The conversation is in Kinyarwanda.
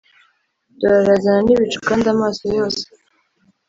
Dore arazana n ibicu kandi amaso yose